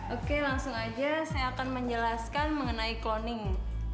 oke langsung aja saya akan menjelaskan mengenai cloning